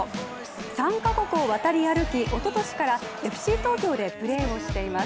３か国を渡り歩き、おととしからＦＣ東京でプレーをしています。